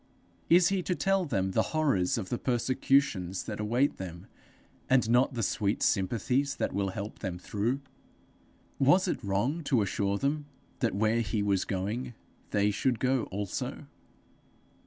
Is he to tell them the horrors of the persecutions that await them, and not the sweet sympathies that will help them through? Was it wrong to assure them that where he was going they should go also?